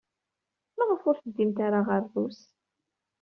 Maɣef ur teddimt ara ɣer Rrus?